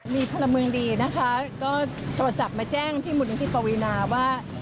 มีพระเมืองดีนะคะก็โทรศัพท์มาแจ้งที่มุมนุษย์ที่ปวีนาว่า